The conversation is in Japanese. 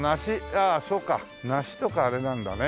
ああそうか梨とかあれなんだね